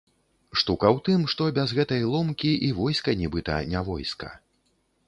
Штука ў тым, што без гэтай ломкі і войска нібыта не войска.